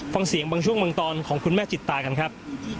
ฟังเสียงบางช่วงบางตอนของคุณแม่จิตตากันครับ